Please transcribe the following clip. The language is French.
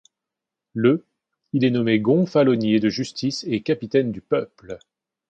Le il est nommé Gonfalonier de justice et Capitaine du peuple.